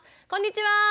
こんにちは。